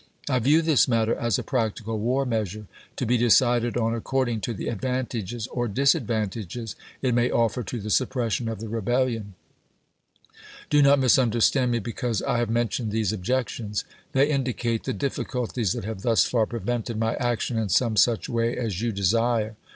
I view this matter as a practical war measure, to be decided on according to the advantages or disadvantages it may offer to the suppression of the Re bellion. .. Do not misunderstand me because I have mentioned these objections. They indicate the difficulties that have thus far prevented my action in some such way as you desire.